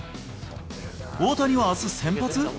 大谷はあす先発？